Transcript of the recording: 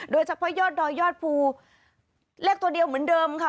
โดยเฉพาะยอดดอยยอดภูเลขตัวเดียวเหมือนเดิมค่ะ